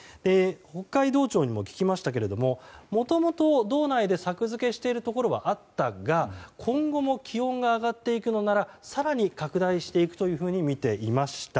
北海道庁にも聞きましたがもともと道内で作付けしているところはあったが今後も気温が上がっていくのなら更に拡大していくとみていました。